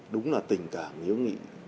đúng là tình cảm yếu nghị